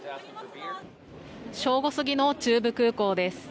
正午過ぎの中部空港です。